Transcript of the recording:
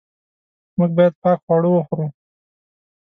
موږ باید پاک خواړه وخورو.